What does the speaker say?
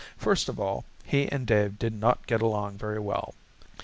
First of all, he and Dave did not get along very well.